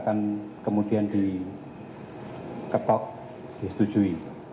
dan kemudian diketok disetujui